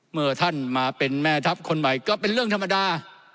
เมื่อท่านมาเป็นแม่ทัพคนใหม่ก็เป็นเรื่องธรรมดา